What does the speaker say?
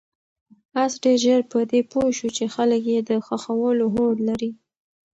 آس ډېر ژر په دې پوه شو چې خلک یې د ښخولو هوډ لري.